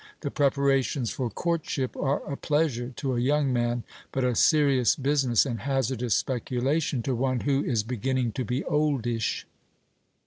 The preparations for courtship are a pleasure to a young man, but a serious business and hazardous speculation to one who is beginning to be oldish.